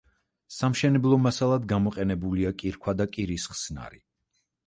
სამშენებლო მასალად გამოყენებულია კირქვა და კირის ხსნარი.